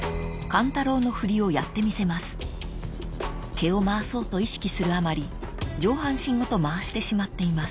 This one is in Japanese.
［毛を回そうと意識するあまり上半身ごと回してしまっています］